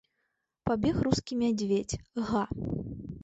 Пабег рускі мядзведзь, га!